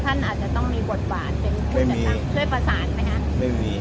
ท่านอาจจะต้องมีบทบาทเป็นไม่มีช่วยประสานไหมฮะไม่มี